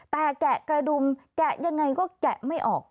แต่แกะกระดุมแกะยังไงก็แกะไม่ออก